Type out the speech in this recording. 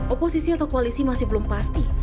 oposisi atau koalisi masih belum pasti